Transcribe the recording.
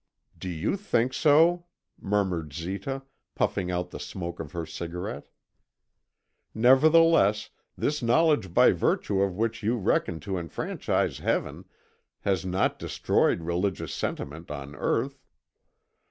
"Do you think so?" murmured Zita, puffing out the smoke of her cigarette.... "Nevertheless, this knowledge by virtue of which you reckon to enfranchise Heaven, has not destroyed religious sentiment on earth.